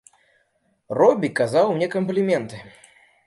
Робі казаў мне кампліменты.